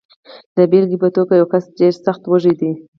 د بېلګې په توګه، یو کس ډېر سخت وږی دی.